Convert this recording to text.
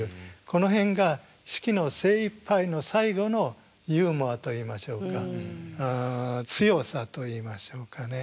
この辺が子規の精いっぱいの最後のユーモアといいましょうか強さといいましょうかね。